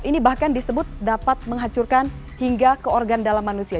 ini bahkan disebut dapat menghancurkan hingga ke organ dalam manusia